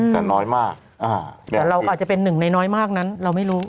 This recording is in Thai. แต่เราอาจจะเป็นหนึ่งในน้อยมากนั้นเราไม่รู้